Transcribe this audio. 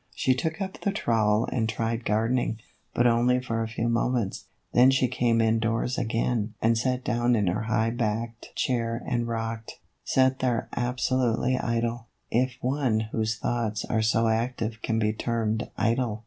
She took up the trowel and tried gardening, but only for a few moments, then she came indoors again and sat down in her high backed chair and rocked ; sat there absolutely idle, if one whose thoughts are so active can be termed idle.